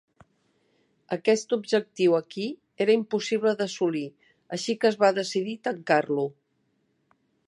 Aquest objectiu aquí era impossible d’assolir així que es va decidir tancar-lo.